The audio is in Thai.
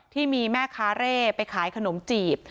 ที่มีแม่ค้าเร่ไปขายขนมจีบ